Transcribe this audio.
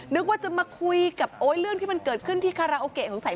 นึกว่าจะมาคุยกับโอ๊ยเรื่องที่มันเกิดขึ้นที่คาราโอเกะสงสัย